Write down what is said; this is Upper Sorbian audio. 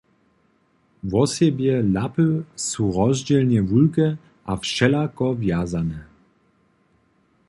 Wosebje lapy su rozdźělnje wulke a wšelako wjazane.